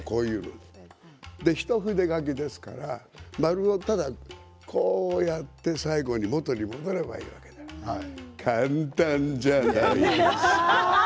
一筆書きですから円をただこうやって最後に元に戻ればいいって簡単じゃないですか。